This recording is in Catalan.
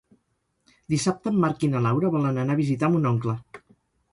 Dissabte en Marc i na Laura volen anar a visitar mon oncle.